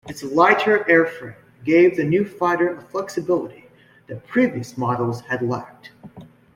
Its lighter airframe gave the new fighter a flexibility that previous models had lacked.